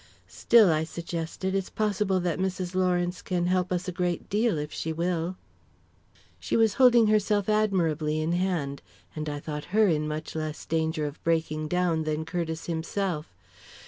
"Still," I suggested, "it's possible that Mrs. Lawrence can help us a great deal, if she will." She was holding herself admirably in hand, and I thought her in much less danger of breaking down than Curtiss himself.